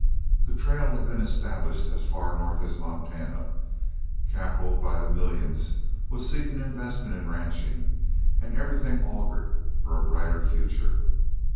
The trail had been established as far north as Montana, capital by the millions was seeking investment in ranching, and everything augured for a brighter future.